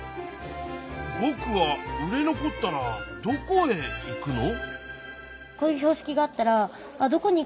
「ぼくは売れ残ったらどこへ行くの」。